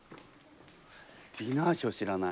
ディナーショー知らない。